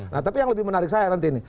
nah tapi yang lebih menarik saya nanti ini